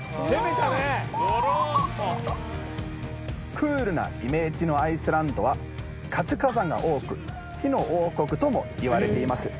クールなイメージのアイスランドは活火山が多く火の王国ともいわれています。